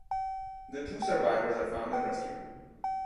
The two survivors are found and rescued.